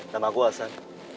nama aku hasan